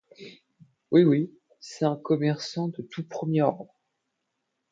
Oui, oui, c'est un commerçant de tout premier ordre.